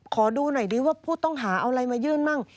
ขอดูหน่อยดีว่าผู้ต้องหาเอาอะไรมายื่นมั่ง